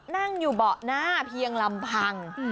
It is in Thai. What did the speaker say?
นั่งอยู่เบาะหน้าเพียงลำพัง